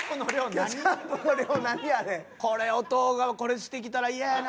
これお父がこれしてきたら嫌やな。